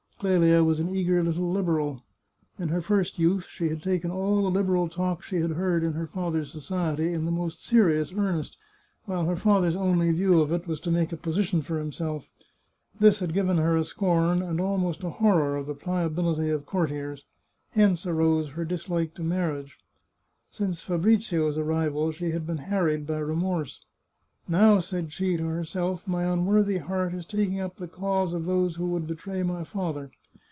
Clelia was an eager little Liberal. In her first youth she had taken all the Liberal talk she had heard in her father's society in the most serious earnest, while her father's only view of it was to make a position for himself. This had given her a scorn and almost a horror of the pliability of courtiers; hence arose her dislike to marriage. Since Fa brizio's arrival she had been harried by remorse. " Now," said she to herself, " my unworthy heart is taking up the cause of those who would betray my father.